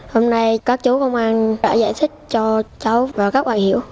hôm nay các chú công an đã giải thích cho cháu và các bà hiểu